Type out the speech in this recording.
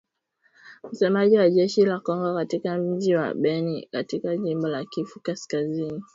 Msemaji wa jeshi la Kongo katika mji wa Beni katika jimbo la Kivu Kaskazini, Kepteni Antony Mualushayi